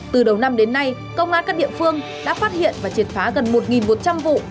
từ đầu năm đến nay công an các địa phương đã phát hiện và triệt phá gần một một trăm linh vụ